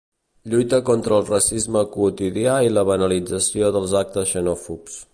Lluita contra el racisme quotidià i la banalització dels actes xenòfobs.